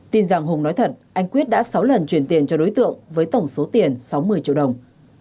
tin rằng hùng nói thật anh quyết đã sáu lần chuyển tiền cho đối tượng với tổng số tiền sáu mươi triệu đồng